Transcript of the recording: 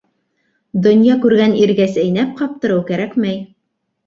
— Донъя күргән иргә сәйнәп ҡаптырыу кәрәкмәй.